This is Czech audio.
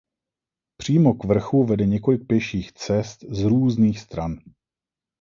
Přímo k vrchu vede několik pěších cest z různých stran.